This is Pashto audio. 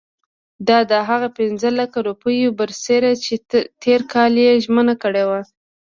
دا د هغه پنځه لکه روپیو برسېره چې تېر کال یې ژمنه کړې وه.